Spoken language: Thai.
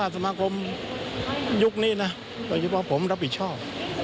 สมาคมก็ตะท๊อบ